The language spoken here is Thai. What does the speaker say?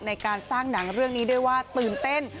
ในการสร้างหนังเรื่องนี้ด้วยว่าตื่นเต้น